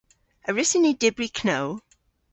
A wrussyn ni dybri know?